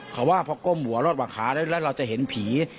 เขาว่าพอก้มหัวรอดหวังขาแล้วเราจะเห็นผี